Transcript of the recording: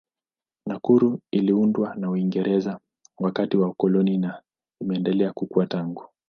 Nakuru iliundwa na Uingereza wakati wa ukoloni na imeendelea kukua tangu.